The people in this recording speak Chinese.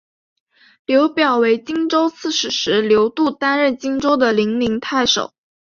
刘表为荆州刺史时刘度担任荆州的零陵太守。